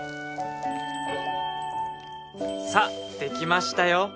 さあできましたよ！